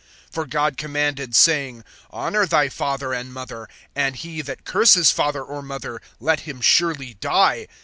(4)For God commanded, saying[15:4]: Honor thy father and mother; and he that curses father or mother, let him surely die.